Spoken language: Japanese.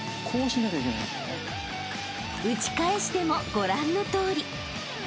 ［打ち返してもご覧のとおり］